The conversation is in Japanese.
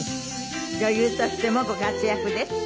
女優としてもご活躍です。